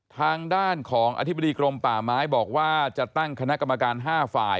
ทางด้านของอธิบดีกรมป่าไม้บอกว่าจะตั้งคณะกรรมการ๕ฝ่าย